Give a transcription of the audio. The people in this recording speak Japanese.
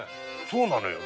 そうなのよ。